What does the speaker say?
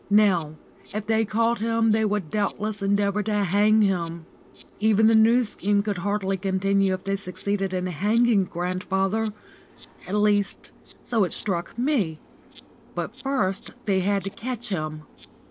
Now, if they caught him they would doubtless endeavour to hang him. Even the New Scheme could hardly continue if they succeeded in hanging grandfather. At least, so it struck me. But first they had to catch him.